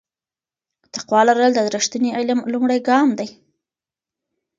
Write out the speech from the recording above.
تقوا لرل د رښتیني علم لومړی ګام دی.